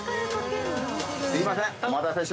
すいません。